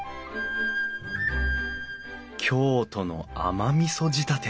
京都の甘みそ仕立て。